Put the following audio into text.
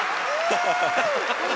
ハハハハ！